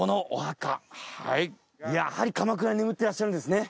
やはり鎌倉に眠ってらっしゃるんですね。